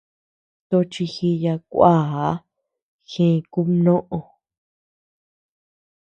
Tochi jììya kuaa, jee kubnoʼö.